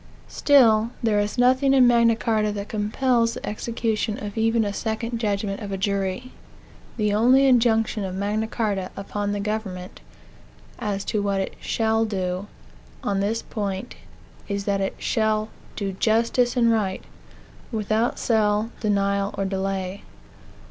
Still, there is nothing in Magna Carta that compels the execution of even a second judgment of a jury. The only injunction of Magna Carta upon the government, as to what it shall do, on this point, is that it shall "do justice and right," without sale, denial, or delay.